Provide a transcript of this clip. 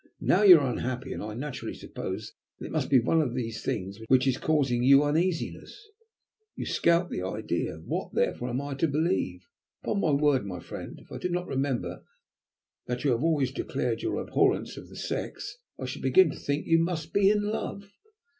Now you are unhappy, and I naturally suppose that it must be one of those things which is causing you uneasiness. You scout the idea. What, therefore, am I to believe? Upon my word, my friend, if I did not remember that you have always declared your abhorrence of the Sex, I should begin to think you must be in love."